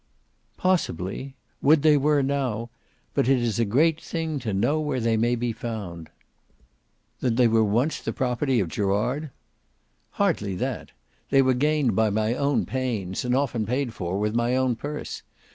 "Possibly. Would they were now! But it is a great thing to know where they may be found." "Then they once were the property of Gerard?" "Hardly that. They were gained by my own pains, and often paid for with my own purse.